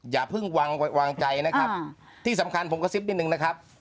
อย่าเพิ่งวางใจนะครับที่สำคัญผมกระซิบนิดนึงนะครับ